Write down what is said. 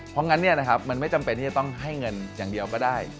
เพราะงั้นมันไม่จำเป็นที่จะต้องให้เงินอย่างเดียวก็ได้